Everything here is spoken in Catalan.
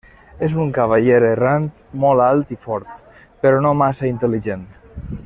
És un cavaller errant molt alt i fort, però no massa intel·ligent.